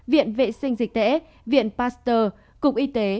viện vệ sinh dịch tễ viện pasteur cục y tế